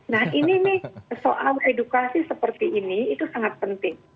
nah ini nih soal edukasi seperti ini itu sangat penting